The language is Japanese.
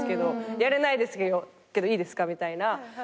やれないですけどいいですかみたいな。